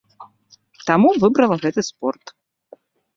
Таму выбрала гэты спорт.